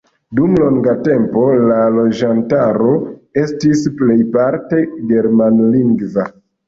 Dum longa tempo la loĝantaro estis plejparte germanlingva.